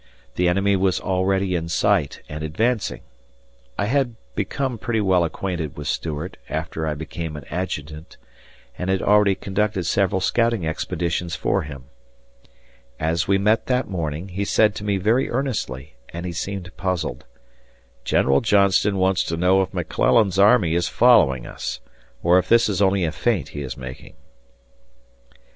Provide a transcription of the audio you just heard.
The enemy was already in sight and advancing. I had become pretty well acquainted with Stuart after I became an adjutant and had already conducted several scouting expeditions for him. As we met that morning, he said to me very earnestly, he seemed puzzled, "General Johnston wants to know if McClellan's army is following us, or if this is only a feint he is making."